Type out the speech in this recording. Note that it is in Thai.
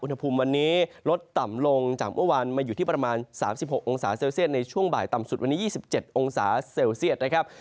อุณหภูมิวันนี้ลดต่ำลงจากเมื่อวานมาอยู่ที่ประมาณ๓๖องศาเซลเซียตในช่วงบ่ายต่ำสุดวันนี้๒๗องศาเซลเซียตนะครับ